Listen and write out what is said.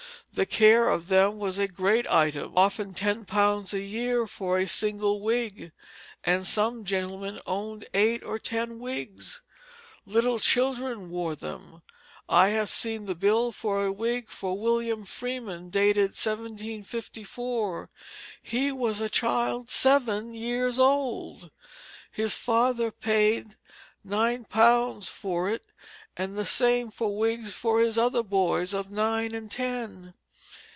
The care of them was a great item, often ten pounds a year for a single wig, and some gentlemen owned eight or ten wigs. Little children wore them. I have seen the bill for a wig for William Freeman, dated 1754; he was a child seven years old. His father paid nine pounds for it, and the same for wigs for his other boys of nine and ten.